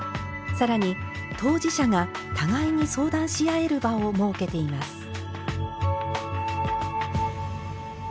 更に当事者が互いに相談し合える場を設けています。